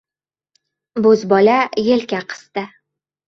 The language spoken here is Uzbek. Bo‘zbola yelka qisdi.